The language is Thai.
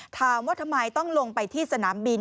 ถามว่าทำไมต้องลงไปที่สนามบิน